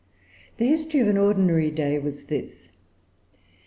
The history of an ordinary day was this.